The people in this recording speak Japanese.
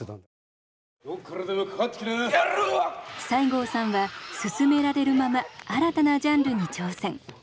西郷さんは勧められるまま新たなジャンルに挑戦。